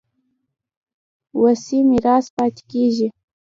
وصي میراث پاتې کېږي.